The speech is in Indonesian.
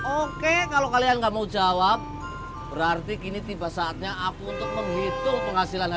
oke kalau kalian nggak mau jawab berarti kini tiba saatnya aku untuk menghitung penghasilannya